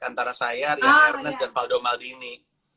antara saya rian ernest dan faldo maldini